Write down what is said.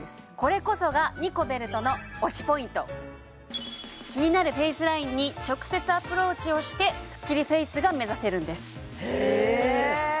これこそがニコベルトの気になるフェイスラインに直接アプローチしてスッキリフェイスが目指せるんですへえ